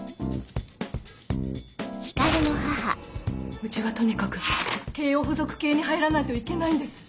うちはとにかく慶応付属系に入らないといけないんです。